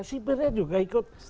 sipirnya juga ikut